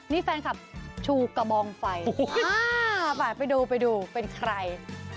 นี่แฟนคลับชูกระบองไฟไปดูไปดูเป็นใคร